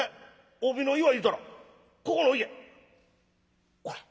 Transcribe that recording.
帯の祝いいうたらここの家これ？